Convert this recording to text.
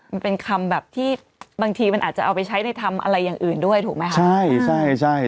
มันเป็นคำแบบที่บางทีมันอาจจะเอาไปใช้ในทำอะไรอย่างอื่นด้วยถูกไหมคะใช่ใช่